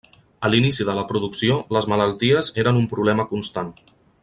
A l'inici de la producció les malalties eren un problema constant.